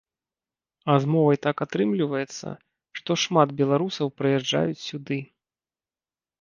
А з мовай так атрымліваецца, што шмат беларусаў прыязджаюць сюды.